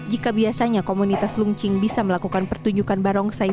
jika biasanya komunitas lungching bisa melakukan pertunjukan barongsai